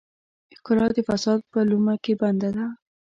ښکلا د فساد په لومه کې بنده ده.